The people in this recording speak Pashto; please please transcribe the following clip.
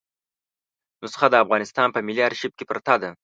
نسخه د افغانستان په ملي آرشیف کې پرته ده.